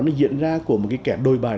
nó diễn ra của một cái kẻ đôi bài